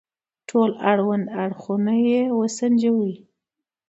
ټول اړوند اړخونه يې وسنجوي.